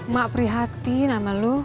mak prihatin sama lu